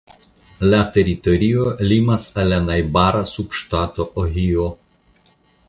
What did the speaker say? La teritorio limas al la najbara subŝtato Ohio.